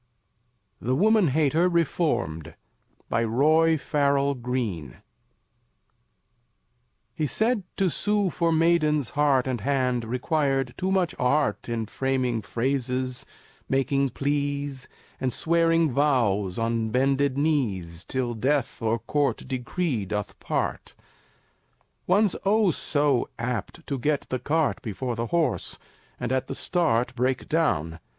THE WOMAN HATER REFORMED BY ROY FARRELL GREENE He said to sue for maiden's heart And hand required too much of art In framing phrases, making pleas, And swearing vows on bended knees "Till death (or court decree) doth part." One's oh, so apt to get the cart Before the horse, and at the start Break down.